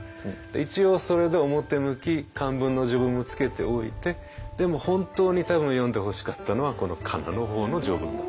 一応それで表向き漢文の序文もつけておいてでも本当に多分読んでほしかったのはこのかなの方の序文だと。